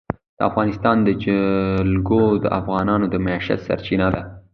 د افغانستان جلکو د افغانانو د معیشت سرچینه ده.